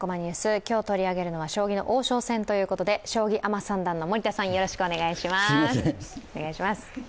今日、取り上げるのは将棋の王将戦ということで将棋アマ３段の森田さん、よろしくお願いします。